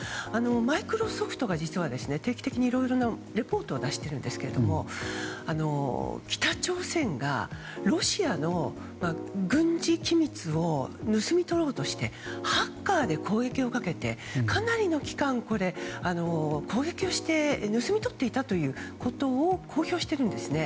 マイクロソフトが定期的にいろいろなレポートを出しているんですが北朝鮮がロシアの軍事機密を盗み取ろうとしてハッカーで攻撃をかけてかなりの期間攻撃をして盗み取っていたということを公表してるんです。